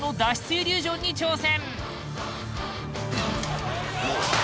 イリュージョンに挑戦